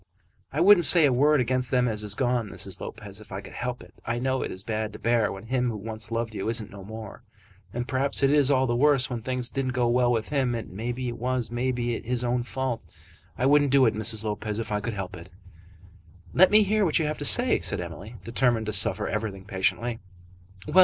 "I wouldn't say a word against them as is gone, Mrs. Lopez, if I could help it. I know it is bad to bear when him who once loved you isn't no more. And perhaps it is all the worse when things didn't go well with him, and it was, maybe, his own fault. I wouldn't do it, Mrs. Lopez, if I could help it." "Let me hear what you have to say," said Emily, determined to suffer everything patiently.